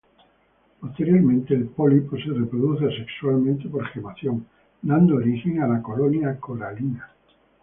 Posteriormente, el pólipo se reproduce asexualmente por gemación, dando origen a la colonia coralina.